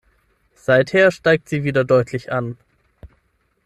Seither steigt sie wieder deutlich an.